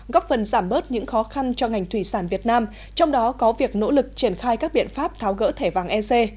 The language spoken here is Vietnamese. góp phần giảm bớt những khó khăn cho ngành thủy sản việt nam trong đó có việc nỗ lực triển khai các biện pháp tháo gỡ thẻ vàng ec